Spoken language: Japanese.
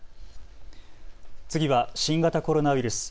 次は新型コロナウイルス。